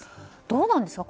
どうなんですか。